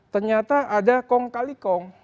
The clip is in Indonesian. ternyata ada kong kali kong